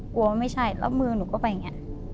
ว่าไม่ใช่แล้วมือหนูก็ไปอย่างนี้